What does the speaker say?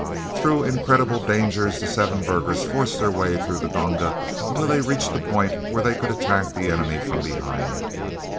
Through incredible dangers the seven burghers forced their way through the donga until they reached the point from where they could attack the enemy from behind.